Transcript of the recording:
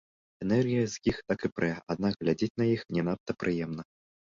Энергія з іх так і прэ, аднак глядзець на іх не надта прыемна.